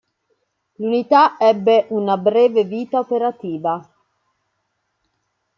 L'unità ebbe una breve vita operativa.